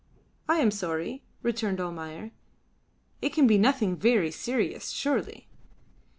"I am sorry," returned Almayer. "It can be nothing very serious, surely."